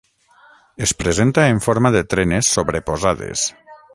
Es presenta en forma de trenes sobreposades.